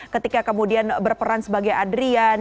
ketika kemudian berperan sebagai adrian